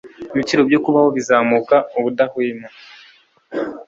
Ibiciro byo kubaho bizamuka ubudahwema.